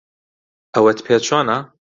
ئەوەت پێ چۆنە؟